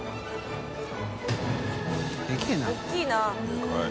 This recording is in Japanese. でかい。